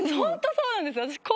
そうなんですよ。